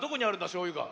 しょうゆが。